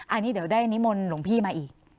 อันนี้เดี๋ยวได้นิมนต์หลวงพี่มาอีก